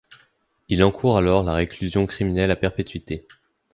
Il encourt alors la réclusion criminelle à perpétuité.